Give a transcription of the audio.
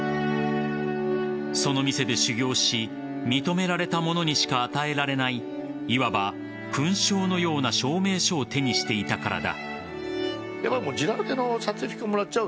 その店で修業し認められたものにしか与えられないいわば、勲章のような証明書を手にしていたからだ。